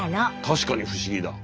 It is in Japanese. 確かに不思議だ。